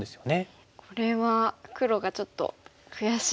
これは黒がちょっと悔しいですよね。